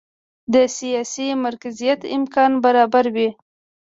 د سیاسي مرکزیت امکان برابروي.